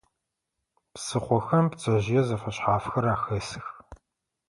Псыхъохэм пцэжъые зэфэшъхьафхэр ахэсых.